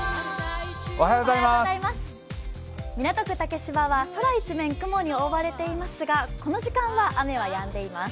港区竹芝は空一面雲に覆われていますがこの時間は、雨はやんでいます。